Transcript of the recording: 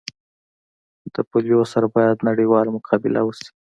د پولیو سره باید نړیواله مقابله وسي